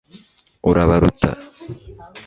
urabaruta